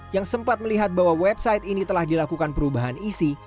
yang sempat melihat bahwa website ini telah dilakukan perubahan isi